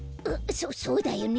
そそうだよね。